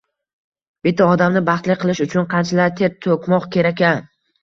Bitta odamni baxtli qilish uchun qanchalar ter to‘kmoq kerak-a!